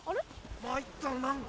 参ったな何か。